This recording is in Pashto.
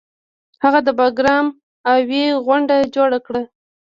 هغه د باګرام اوویی غونډه جوړه کړه